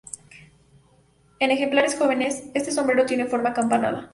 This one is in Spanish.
En ejemplares jóvenes, este sombrero tiene forma acampanada.